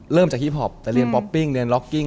เริ่มจากฮิปพอปแต่เรียนป๊อปปิ้งเรียนล็อกกิ้ง